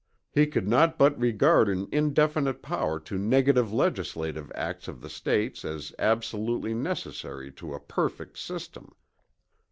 He could not but regard an indefinite power to negative legislative acts of the States as absolutely necessary to a perfect System.